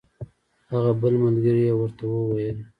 هغه بل ملګري یې ورته وویل.